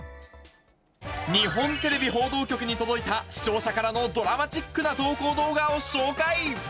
日本テレビ報道局に届いた視聴者からのドラマチックな投稿動画を紹介。